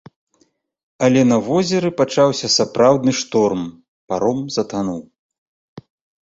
Але на возеры пачаўся сапраўдны шторм, паром затануў.